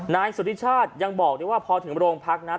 นายสุธิชาติยังบอกด้วยว่าพอถึงโรงพักนะ